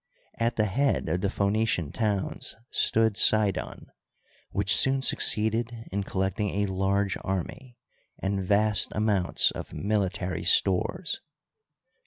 At the head of the Phoenician towns stood Sidon, which soon succeeded in collecting a large army and vast amounts of military stores.